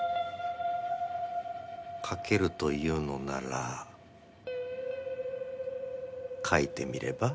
書けると言うのなら書いてみれば？